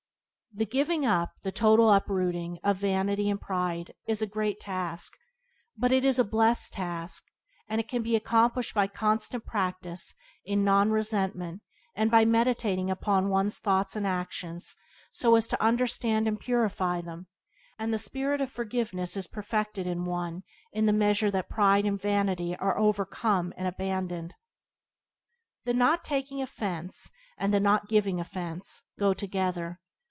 The giving up — the total uprooting — of vanity and pride is a great task; but it is a blessed task, and it can be accomplished by constant practice in non resentment and by meditating upon one's thoughts and actions so as to understand and purify them; and the spirit of Byways to Blessedness by James Allen 37 forgiveness is perfected in one in the measure that pride and vanity are overcome and abandoned. The not taking offence and the not giving offence go together.